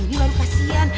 ini lalu kasihan